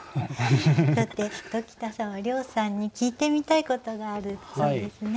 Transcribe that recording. さて鴇田さんは涼さんに聞いてみたいことがあるそうですね。